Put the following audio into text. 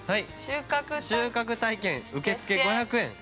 収穫体験受け付け５００円。